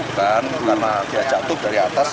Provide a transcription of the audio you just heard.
bukan karena dia jatuh dari atas